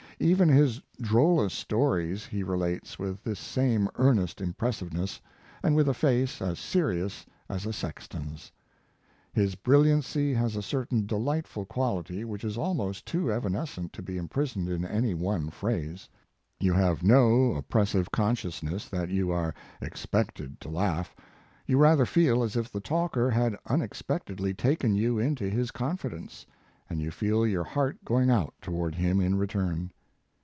Even his drollest stories he relates with this same earnest impressiveness, and with a face as serious as a sexton s. His brilliancy has a certain delightful quality which is almost too evanescent to be imprisoned in any one phrase. You have no oppres sive consciousness that you are expected to laugh; you rather feel as if the talker had unexpectedly taken you into his con fidence, and you feel your heart going out toward him in return.